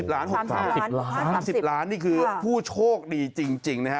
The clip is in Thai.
๓๐ล้าน๖ค่ะ๓๐ล้านนี่คือผู้โชคดีจริงนะฮะ